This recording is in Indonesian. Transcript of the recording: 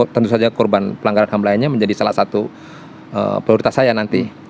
tentu saja korban pelanggaran ham lainnya menjadi salah satu prioritas saya nanti